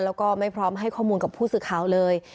แล้วก็ไม่พร้อมให้ข้อมูลกับผู้สื่อข่าวเลย